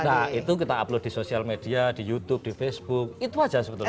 nah itu kita upload di sosial media di youtube di facebook itu aja sebetulnya